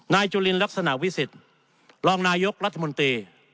จุลินลักษณะวิสิทธิ์รองนายกรัฐมนตรี